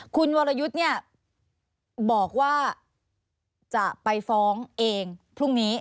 คุณวรยุทธ์เนี่ยบอกว่าจะไปฟ้องเองพรุ่งนี้